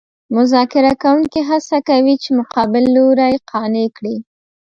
مذاکره کوونکي هڅه کوي چې مقابل لوری قانع کړي